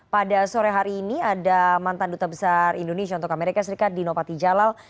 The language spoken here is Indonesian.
pada sore hari ini ada mantan duta besar indonesia untuk amerika serikat dino patijalal